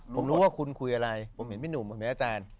ผมรู้ว่าคุณคุยอะไรผมเห็นพี่หนุ่มเห็นไหมอาจารย์